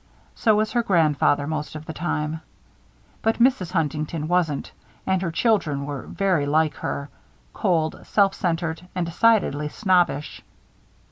So was her grandfather, most of the time. But Mrs. Huntington wasn't; and her children were very like her; cold, self centered, and decidedly snobbish.